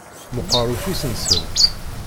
Meqqeṛ ufus-nsent.